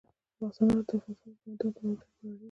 انار د افغانستان د دوامداره پرمختګ لپاره اړین دي.